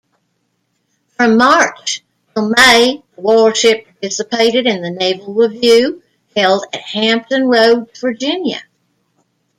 From March-May, the warship participated in the Naval Review held at Hampton Roads, Virginia.